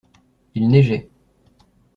Il neigeait.